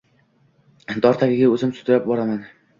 Dor tagiga o‘zim sudrab boraman.